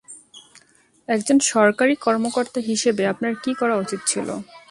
একজন সরকারি কর্মকর্তা হিসেবে আপনার কী করা উচিত ছিল?